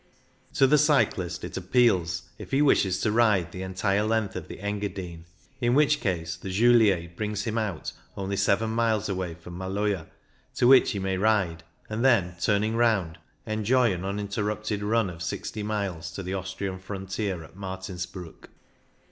To the cyclist it appeals if he wishes to ride the entire length of the Engadine, in which case the Julier brings him out only seven miles away from Maloja, to which he may ride, and then, turning round, enjoy an uninterrupted run of sixty miles to the Austrian frontier at Martinsbruck.